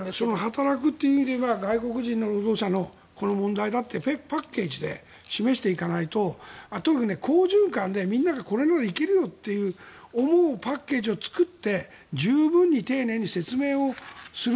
働くという意味で外国人の労働者の問題だってパッケージで示していかないと特に好循環でみんながこれならいけるよと思うパッケージを作って十分に丁寧に説明をする。